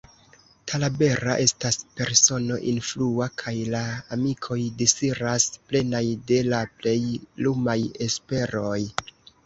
Talabera estas persono influa, kaj la amikoj disiras, plenaj de la plej lumaj esperoj.